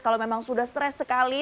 kalau memang sudah stres sekali